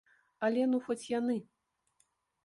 Але ну хоць яны!